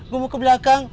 gue mau ke belakang